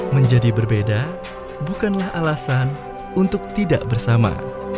menjadi berbeda bukanlah alasan untuk tidak bersama